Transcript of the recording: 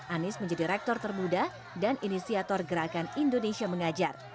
anis menjadi rektor terbudah dan inisiator gerakan indonesia mengajar